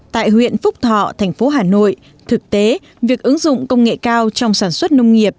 tại huyện phúc thọ thành phố hà nội thực tế việc ứng dụng công nghệ cao trong sản xuất nông nghiệp